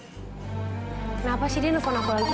kenapa sih dia nelfon apa lagi